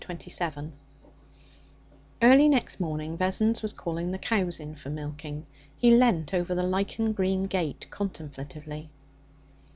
Chapter 27 Early next morning Vessons was calling the cows in for milking. He leant over the lichen green gate contemplatively.